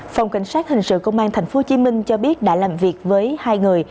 phòng cảnh sát hình sự công an thành phố hồ chí minh cho biết đã làm việc với hai người